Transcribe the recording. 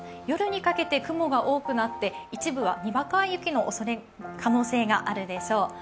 夜にかけて雲が多くなって一部はにわか雪の可能性があるでしょう。